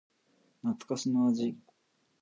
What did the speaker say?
懐かしの味